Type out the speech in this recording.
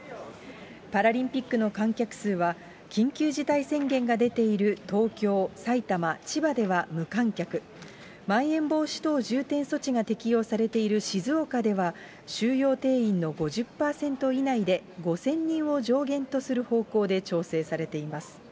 パラリンピックの観客数は、緊急事態宣言が出ている東京、埼玉、千葉では無観客、まん延防止等重点措置が適用されている静岡では、収容定員の５０％以内で、５０００人を上限とする方向で調整されています。